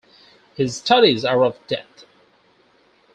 His studies are of Death.